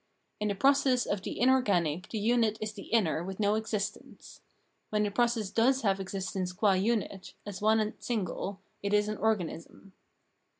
In the process of the in organic the unit is the inner with no existence. When the process does have existence qua unit, as one and single, it is an organism.